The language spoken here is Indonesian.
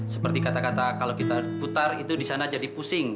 seperti kata kata kalau kita putar itu di sana jadi pusing